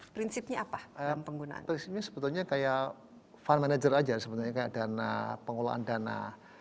prinsipnya apa penggunaan sebetulnya kayak file manager aja sebenarnya dana pengelolaan dana